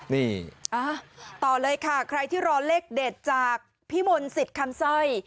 นี่ต่อเลยค่ะใครที่รอเลขเด็ดจากพี่มนต์สิทธิ์คำสร้อย